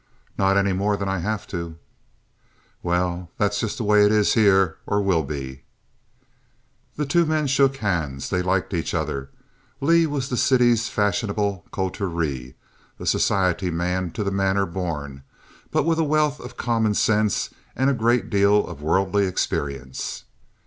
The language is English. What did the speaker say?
"Not any more than I have to." "Well, that's just the way it is here—or will be." The two men shook hands. They liked each other. Leigh was of the city's fashionable coterie, a society man to the manner born, but with a wealth of common sense and a great deal of worldly experience.